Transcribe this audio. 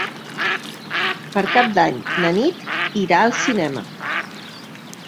Per Cap d'Any na Nit irà al cinema.